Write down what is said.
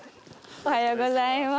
おはようございます。